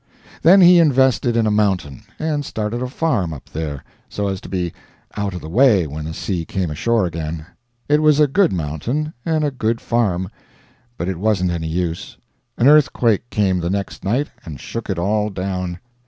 Then he invested in a mountain, and started a farm up there, so as to be out of the way when the sea came ashore again. It was a good mountain, and a good farm, but it wasn't any use; an earthquake came the next night and shook it all down.